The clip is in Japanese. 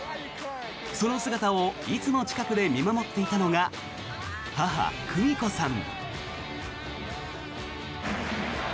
その姿をいつも近くで見守っていたのが母・久美子さん。